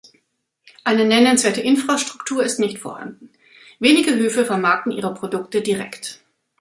Eine nennenswerte Infrastruktur ist nicht vorhanden, wenige Höfe vermarkten ihre Produkte direkt.